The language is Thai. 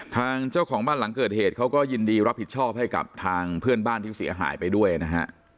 ทางเจ้าของบ้านหลังเกิดเหตุเขาก็ยินดีรับผิดชอบให้กับทางเพื่อนบ้านที่เสียหายไปด้วยนะฮะ